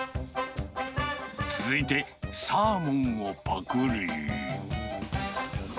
続いて、サーモンをぱくり。